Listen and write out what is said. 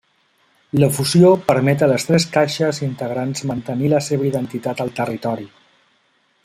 La fusió permet a les tres caixes integrants mantenir la seva identitat al territori.